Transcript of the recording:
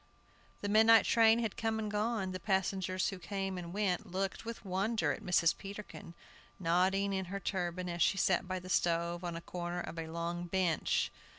The midnight train had come and gone. The passengers who came and went looked with wonder at Mrs. Peterkin, nodding in her turban, as she sat by the stove, on a corner of a long bench.